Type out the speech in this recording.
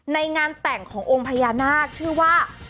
ในงานแต่งขององค์พญานาคชื่อว่า